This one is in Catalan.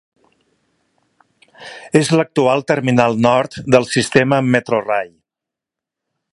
És l'actual terminal nord del sistema Metrorail.